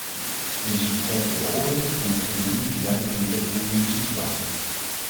Deze betreft de beoordeling van het economisch beleid en de economische situatie.